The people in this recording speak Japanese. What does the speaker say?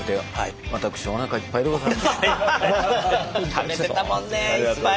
食べてたもんねいっぱい。